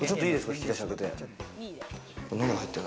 引き出し開けて。